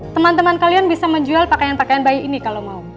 teman teman kalian bisa menjual pakaian pakaian bayi ini kalau mau